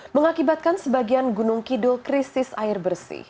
mengakibatkan sebagian gunung kidul krisis air bersih